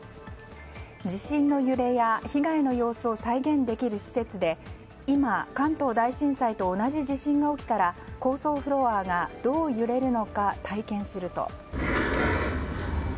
地震の揺れや被害の様子を再現できる施設で今、関東大震災と同じ地震が起きたら高層フロアがどう揺れるのか体験すると。